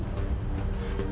dari siapa vy